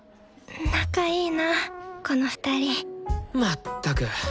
仲いいなぁこの２人まったく。